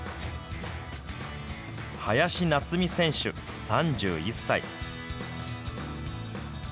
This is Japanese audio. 林奈津美選手３１歳。